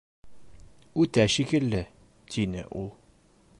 — Үтә шикелле, — тине ул.